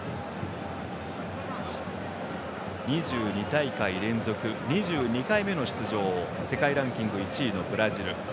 ２２大会連続２２回目の出場世界ランキング１位のブラジル。